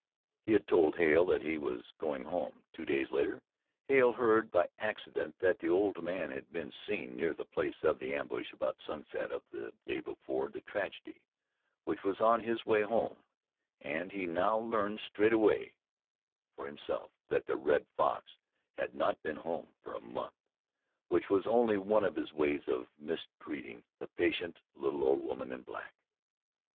He had told Hale that he was going home. Two days later, Hale heard by accident that the old man had been seen near the place of the ambush about sunset of the day before the tragedy, which was on his way home, and he now learned straightway for himself that the Red Fox had not been home for a month which was only one of his ways of mistreating the patient little old woman in black.